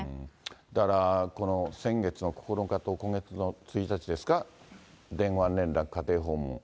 だから、先月の９日と今月の１日ですか、電話連絡、家庭訪問。